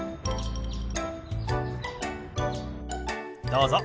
どうぞ。